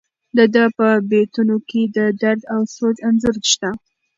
د ده په بیتونو کې د درد او سوز انځور شته.